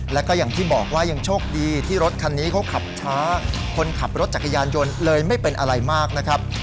แล้วก็อย่างที่บอกว่ายังโชคดีที่รถคันนี้เขาขับช้าคนขับรถจักรยานยนต์เลยไม่เป็นอะไรมากนะครับ